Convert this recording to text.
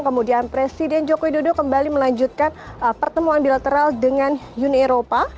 kemudian presiden joko widodo kembali melanjutkan pertemuan bilateral dengan uni eropa